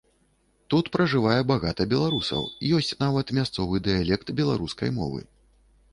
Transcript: Тут пражывае багата беларусаў, ёсць нават мясцовы дыялект беларускай мовы.